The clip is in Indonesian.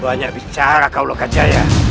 banyak bicara kau loh kejaya